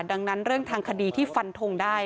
ดังนั้นเรื่องทางคดีที่ฟันทงได้